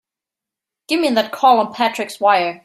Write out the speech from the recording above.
Give me that call on Patrick's wire!